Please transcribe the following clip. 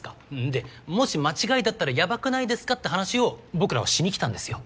でもし間違いだったらヤバくないですかって話を僕らはしにきたんですよ。